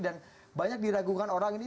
dan banyak diragukan orang ini